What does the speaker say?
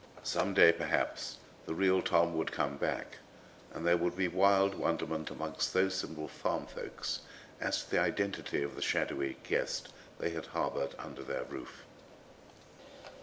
Some day perhaps the real Tom would come back, and there would be wild wonderment among those simple farm folks as to the identity of the shadowy guest they had harboured under their roof.